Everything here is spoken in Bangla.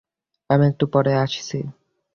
আমি একটু পরেই আসছি।